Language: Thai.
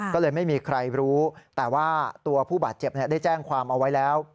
ก็เลยไม่มีใครรู้แต่ว่าตัวผู้บาดเจ็บได้แจ้งความเอาไว้แล้ว